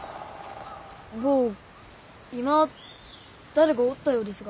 坊今誰かおったようですが。